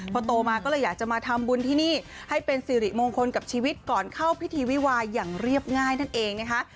พอโตมาก็เลยอยากจะมาทำบุญที่นี่ให้เป็นสิริมงคลกับชีวิตก่อนเข้าพิธีวิวาอย่างเรียบง่ายนั่นเองนะคะ